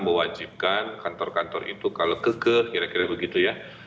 mewajibkan kantor kantor itu kalau keke kira kira begitu ya